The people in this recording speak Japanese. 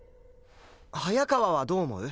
早川はどう思う？